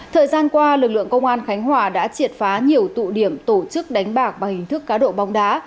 thời gian qua lực lượng công an khánh hòa đã triệt phá nhiều tụ điểm tổ chức đánh bạc bằng hình thức cá độ bóng đá